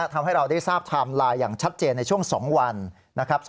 ทำให้เราได้ทราบไทม์ไลน์อย่างชัดเจนในช่วง๒วันนะครับ